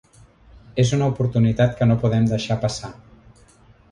És una oportunitat que no podem deixar passar.